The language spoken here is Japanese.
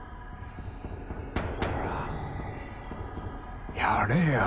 ほらやれよ。